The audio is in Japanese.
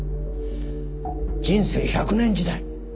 人生１００年時代。